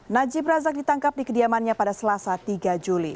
najib razak ditangkap di kediamannya pada selasa tiga juli